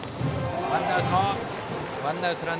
ワンアウト。